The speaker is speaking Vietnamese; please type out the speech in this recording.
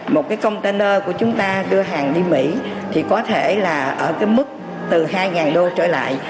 một cái container của chúng ta đưa hàng đi mỹ thì có thể là ở cái mức từ hai đô trở lại